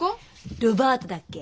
ロバートだっけ？